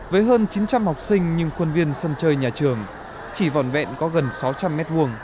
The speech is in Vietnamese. với hơn chín trăm linh học sinh nhưng quân viên sân chơi nhà trường chỉ vòn vẹn có gần sáu trăm linh m hai